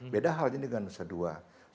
beda halnya dengan nusa dua